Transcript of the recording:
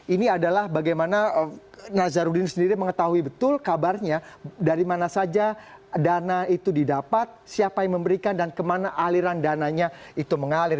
ini adalah bagaimana nazarudin sendiri mengetahui betul kabarnya dari mana saja dana itu didapat siapa yang memberikan dan kemana aliran dananya itu mengalir